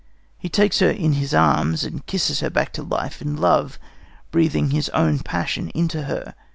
He takes her in his arms and kisses her back to life and love, breathing his own passion into her.